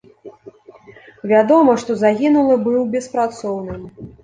Вядома, што загінулы быў беспрацоўным.